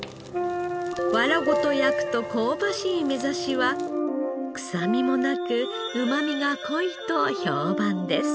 藁ごと焼くと香ばしいめざしは臭みもなくうまみが濃いと評判です。